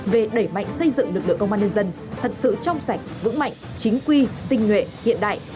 về đẩy mạnh xây dựng lực lượng công an nhân dân thật sự trong sạch vững mạnh chính quy tinh nguyện hiện đại